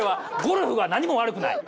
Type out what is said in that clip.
ゴルフは何も悪くない。